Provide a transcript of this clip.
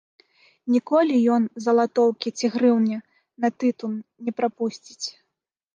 Ніколі ён залатоўкі ці грыўні на тытун не прапусціць.